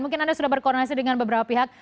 mungkin anda sudah berkoordinasi dengan beberapa pihak